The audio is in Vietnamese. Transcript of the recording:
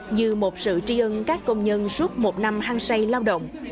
như một sự tri ân các công nhân suốt một năm hăng say lao động